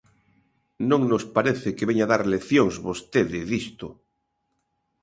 Non nos parece que veña dar leccións vostede disto.